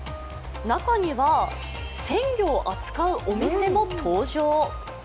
中には、鮮魚を扱うお店も登場。